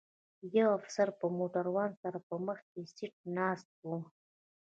یو افسر به له موټروان سره په مخکي سیټ ناست و.